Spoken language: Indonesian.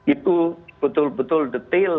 itu betul betul detail